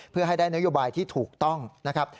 เพื่อให้ได้นโยบายที่ถูกต้องนะครับ